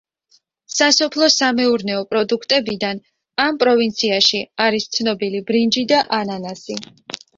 სასოფლო-სამეურნეო პროდუქტებიდან, ამ პროვინციაში არის ცნობილი ბრინჯი და ანანასი.